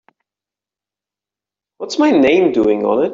What's my name doing on it?